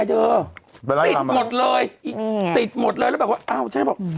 ฮะติดหมดเลยแล้วแบบว่าอ้าวฉันนี่บอก